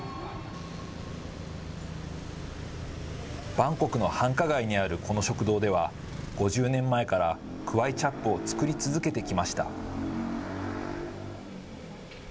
バンコクの繁華街にあるこの食堂では、５０年前からクワイチャップを作り続けてきました。